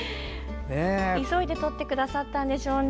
急いで撮ってくださったんでしょうね。